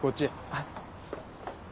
はい。